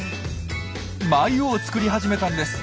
繭を作り始めたんです。